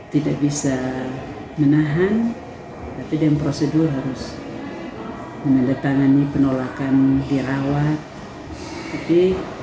tidak bisa menahan tapi dengan prosedur harus menandatangani penolakan dirawat jadi